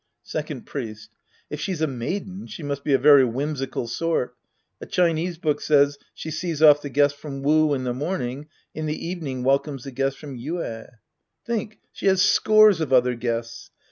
Second Priest. If she's a maiden, she must be a very whimsical sort. A Chinese book says, " She sees off the guest from Wu in the morning, in the evening welcomes the guest from Yueh.'' Think! She has scores of other guests.